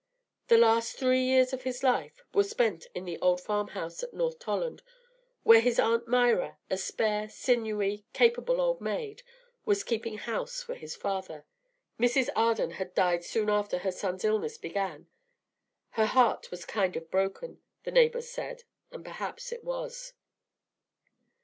The last three years of his life were spent in the old farm house at North Tolland, where his aunt Myra, a spare, sinewy, capable old maid, was keeping house for his father. Mrs. Arden had died soon after her son's illness began; her heart was "kind of broken," the neighbors said, and perhaps it was.